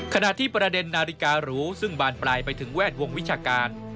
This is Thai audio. ขณะที่ประเด็นนาฬิการูซึ่งบานปลายไปถึงแวดวงวิชาการ